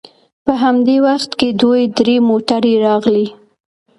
په همدې وخت کې دوې درې موټرې راغلې.